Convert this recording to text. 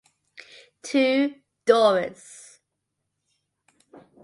To Doris.